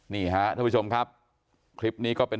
นี่ฮะท่านผู้ชมครับคลิปนี้ก็เป็น